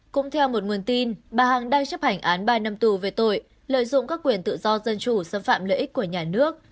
cũng theo một nguồn tin bà hằng đang chấp hành án ba năm tù về tội lợi dụng các quyền tự do dân chủ xâm phạm lợi ích của nhà nước